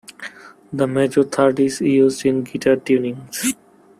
The major third is used in guitar tunings.